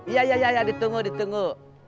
iya iya iya ditunggu ditunggu